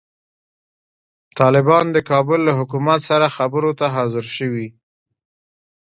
طالبان د کابل له حکومت سره خبرو ته حاضر شوي.